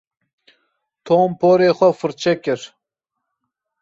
Tom porê xwe firçe kir.